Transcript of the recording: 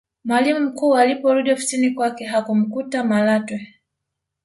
mwalimu mkuu aliporudi ofisini kwake hakumkuta malatwe